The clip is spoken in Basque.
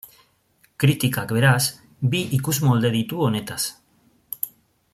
Kritikak, beraz, bi ikusmolde ditu honetaz.